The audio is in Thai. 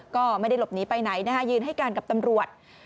ก็ไม่ได้หลบหนีไปไหนนะคะยืนให้การกับตำรวจ